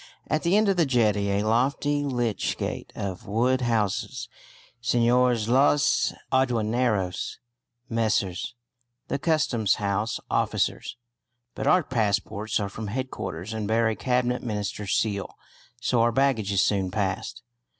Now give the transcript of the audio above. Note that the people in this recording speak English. At the end of the jetty a lofty lich gate of wood houses Señores los Aduaneros, Messrs. the Customs House Officers. But our passports are from headquarters and bear a Cabinet Minister's seal, so our baggage is soon passed.